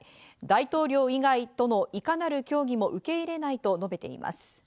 大統領以外とのいかなる協議も受け入れないと述べています。